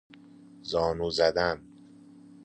زانو زدن